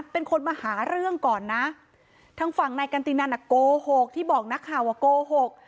เป็นคนมาหาเรื่องก่อนนะทางฝั่งนายกันตินันอ่ะโกหกที่บอกนักข่าวว่าโกหก